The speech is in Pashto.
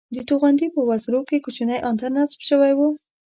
د توغندي په وزرو کې کوچنی انتن نصب شوی وو